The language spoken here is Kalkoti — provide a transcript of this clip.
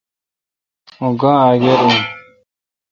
اں گا اگر این۔